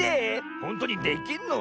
ほんとにできんの？